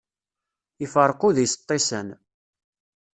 Iferreq udi s ṭṭisan.